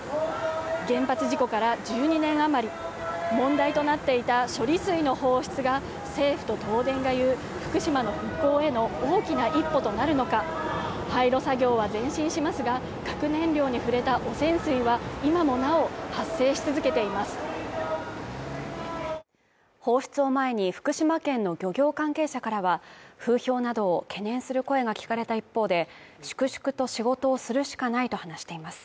原発事故から１０年あまり問題となっていた処理水の放出が政府と東電が言う福島の復興への大きな一歩となるのか廃炉作業は前進しますが核燃料に触れた汚染水は今もなお発生し続けています放出を前に福島県の漁業関係者からは風評などを懸念する声が聞かれた一方で粛々と仕事をするしかないと話しています